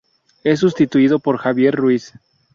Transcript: Es sustituido por Javier Ruiz.